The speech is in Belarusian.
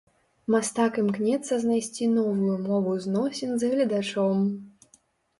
Мастак імкнецца знайсці новую мову зносін з гледачом.